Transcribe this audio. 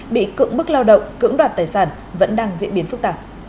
bị cưỡng bức lao động cưỡng đoạt tài sản vẫn đang diễn biến phức tạp